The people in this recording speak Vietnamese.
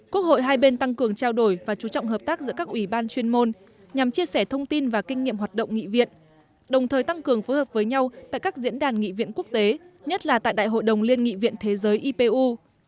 quốc hội hai bên tăng cường trao đổi và chú trọng hợp tác giữa các ủy ban chuyên môn nhằm chia sẻ thông tin và kinh nghiệm hoạt động nghị viện đồng thời tăng cường phối hợp với nhau tại các diễn đàn nghị viện quốc tế nhất là tại đại hội đồng liên nghị viện thế giới ipu